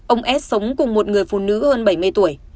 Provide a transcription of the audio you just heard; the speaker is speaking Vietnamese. ông s sống cùng một người phụ nữ hơn bảy mươi tuổi